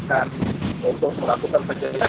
dan pada saat ini kita meminta bupati lombok barat